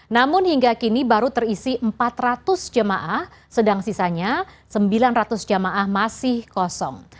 namun hingga kini baru terisi empat ratus jemaah sedang sisanya sembilan ratus jamaah masih kosong